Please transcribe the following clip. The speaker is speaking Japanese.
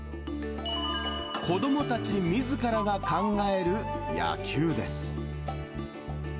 子どもたちみずからが考える野球です。